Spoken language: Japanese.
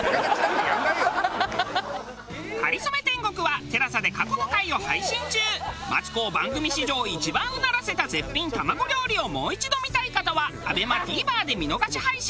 『かりそめ天国』はマツコを番組史上一番うならせた絶品卵料理をもう一度見たい方はＡＢＥＭＡＴＶｅｒで見逃し配信。